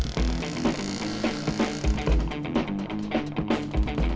kita lagi ngejar bajak pak motor